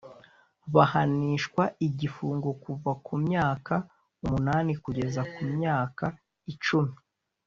bahanishwa igifungo kuva ku myaka umunani kugeza ku myaka icumi